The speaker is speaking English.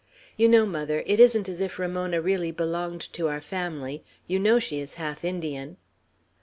You know, mother, it isn't as if Ramona really belonged to our family; you know she is half Indian."